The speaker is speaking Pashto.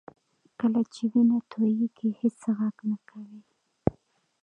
کله چې وینه تویېږي هېڅ غږ نه کوي